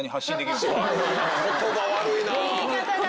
言葉悪いな！